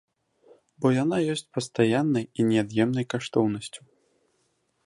Бо яна ёсць пастаяннай і неад'емнай каштоўнасцю.